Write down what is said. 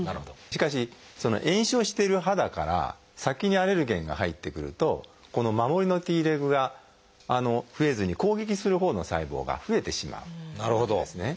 しかし炎症している肌から先にアレルゲンが入ってくるとこの守りのＴレグが増えずに攻撃するほうの細胞が増えてしまうんですね。